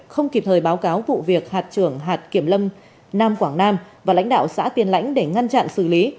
không kịp thời báo cáo vụ việc hạt trưởng hạt kiểm lâm nam quảng nam và lãnh đạo xã tiên lãnh để ngăn chặn xử lý